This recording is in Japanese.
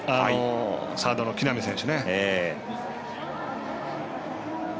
サードの木浪選手。